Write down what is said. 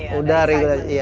sudah ini ya